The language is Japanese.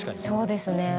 そうですね